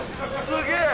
すげえ！